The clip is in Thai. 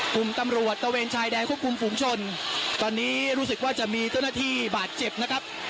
กลุ่มตำรวจตะเวนชายแดนควบคุมฝุงชนตอนนี้รู้สึกว่าจะมีเจ้าหน้าที่บาดเจ็บนะครับ